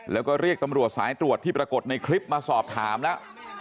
แล้วก็เรียกตำรวจสายตรวจที่ปรากฏในคลิปมาสอบถามแล้ว